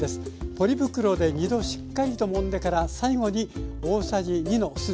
ポリ袋で２度しっかりともんでから最後に大さじ２の酢で味を付けます。